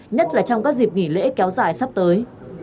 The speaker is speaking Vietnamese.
nhất là trong các dịp nghỉ lễ kéo dài sắp tới